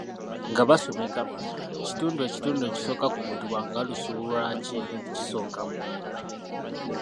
Nga basumika, kitundu ekitundu ekisooka ku mutuba nga lusubulwakye kisooka munda.